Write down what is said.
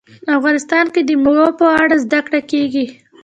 افغانستان کې د مېوې په اړه زده کړه کېږي.